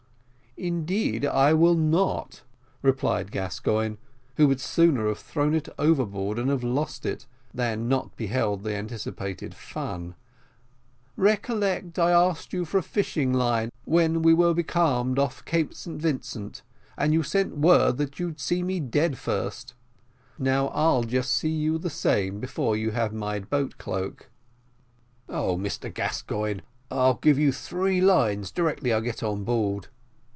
"Indeed I will not," replied Gascoigne, who would sooner have thrown it overboard and have lost it, than not beheld the anticipated fun; "recollect I asked you for a fishing line, when we were becalmed off Cape St. Vincent, and you sent word that you'd see me damned first. Now I'll see you the same before you have my boat cloak." "Oh, Mr Gascoigne, I'll give you three lines, directly I get on board."